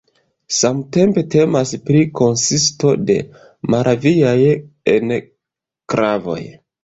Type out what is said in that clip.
Samtempe temas pri konsisto de Moraviaj enklavoj.